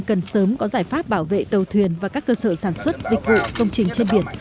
cần sớm có giải pháp bảo vệ tàu thuyền và các cơ sở sản xuất dịch vụ công trình trên biển